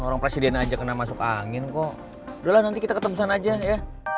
udah lah nanti kita ketemusan aja ya